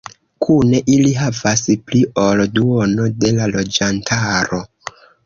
Kune ili havas pli ol duono de la loĝantaro.